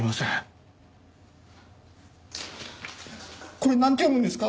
これなんて読むんですか？